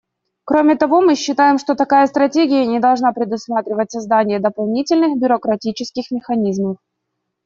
Кроме того, мы считаем, что такая стратегия не должна предусматривать создание дополнительных бюрократических механизмов.